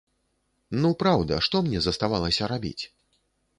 Ну праўда, што мне заставалася рабіць?